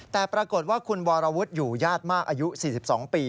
แต่ปรากฏว่าคุณวรวุฒิอยู่ญาติมากอายุ๔๒ปี